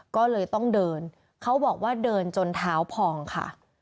ก็เลยต้องเดินเขาบอกว่าเดินจนเท้าพองค่ะ